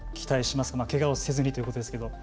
まあけがをせずにということですけど。